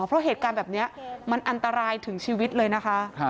เพราะเหตุการณ์แบบนี้มันอันตรายถึงชีวิตเลยนะคะ